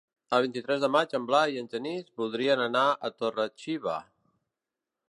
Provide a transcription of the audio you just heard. El vint-i-tres de maig en Blai i en Genís voldrien anar a Torre-xiva.